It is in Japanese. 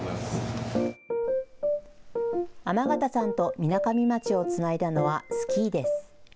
天方さんとみなかみ町をつないだのはスキーです。